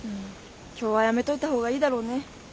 今日はやめといた方がいいだろうね。